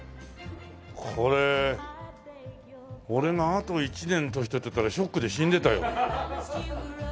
これ俺があと１年年取ってたらショックで死んでたよ。